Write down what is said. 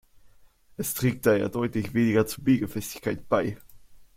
Es trägt daher deutlich weniger zur Biege-Festigkeit bei.